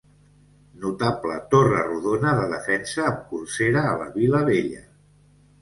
Notable torre rodona de defensa amb corsera a la vila vella.